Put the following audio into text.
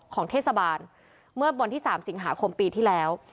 ของเทศบาลเมื่อวันที่๓สิงหาคมปีที่แล้ว